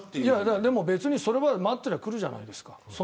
でも、それは待ってればくるじゃないですか。